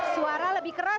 suara lebih keras